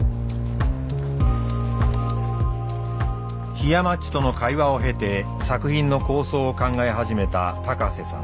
ひやまっちとの会話を経て作品の構想を考え始めた高瀬さん。